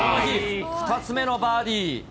２つ目のバーディー。